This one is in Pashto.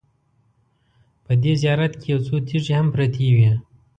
په دې زیارت کې یو څو تیږې هم پرتې وې.